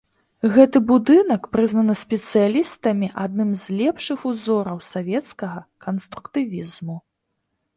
Гэты будынак прызнаны спецыялістамі адным з лепшых узораў савецкага канструктывізму.